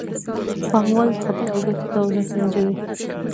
پانګوال د خطر او ګټې توازن سنجوي.